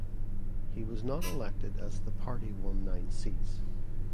He was not elected as the party won nine seats.